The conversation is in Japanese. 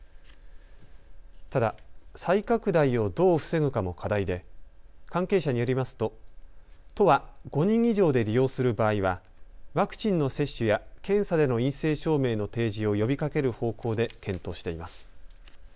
ただ再拡大をどう防ぐかも課題で関係者によりますと都は５人以上で利用する場合はワクチンの接種や検査での陰性証明の提示を呼びかける方向で検討しています。